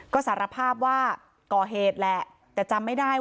จะยอมรับเอาเงินไปใช่ไหมครับครับผมยอมยอมยอมยอม